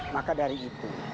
maka dari itu